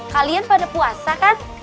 kalian pada puasa kan